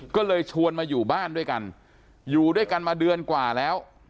ก็เลยชวนมาอยู่บ้านด้วยกันอยู่ด้วยกันมาเดือนกว่าแล้ว